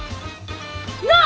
なあ！